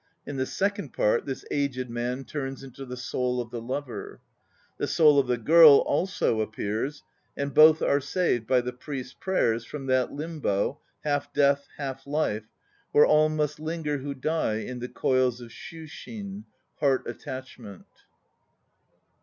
In the second part this aged man turns into the soul of the lover. The soul of the girl also appears, and both are saved by the priest's prayers from that limbo (half death, half life) where all must linger who die in the coils of shushin, "heart attachment."